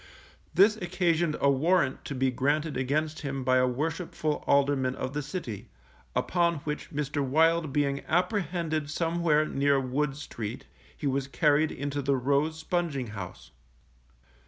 This occasioned a warrant to be granted against him by a worshipful alderman of the City, upon which Mr. Wild being apprehended somewhere near Wood Street, he was carried into the Rose Sponging house.